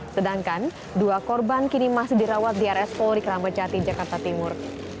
sedangkan dua korban kini masih dirawat di rs polri keramacati jakarta timur